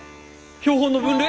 標本の分類？